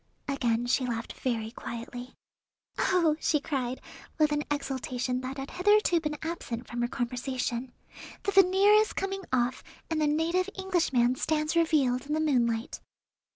Again she laughed very quietly. "Oh!" she cried, with an exultation that had hitherto been absent from her conversation; "the veneer is coming off, and the native Englishman stands revealed in the moonlight."